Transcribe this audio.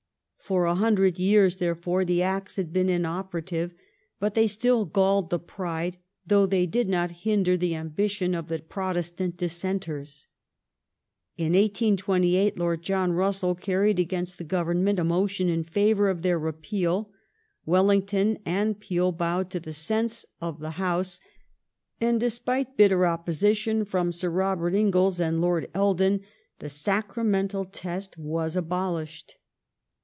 For a hundred years, therefore, the Acts had been inopera tive, but they still galled the pride, though they did not hinder the ambition, of the Protestant Dissenters. In 1828 Lord John Russell carried against the Government a motion in favour of their repeal. Wellington and Peel bowed to the sense of the House, and despite bitter opposition from Sir Robert Inglis and Lord Eldon the Sacra mental Test was abolished.